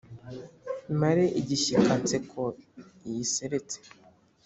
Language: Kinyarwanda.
mare igishyika nseko iyi iseretse.